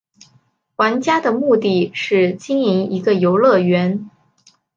玩家的目的是经营一个游乐园。